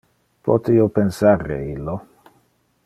Pote Io pensar re illo?